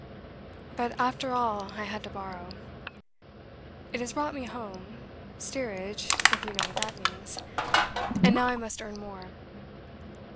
But after all I had to borrow. It has brought me home (steerage, if you know what that means), and now I must earn more.